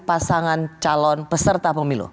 pasangan calon peserta pemilu